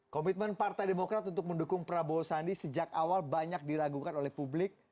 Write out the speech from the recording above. komitmen partai demokrat untuk mendukung prabowo sandi sejak awal banyak diragukan oleh publik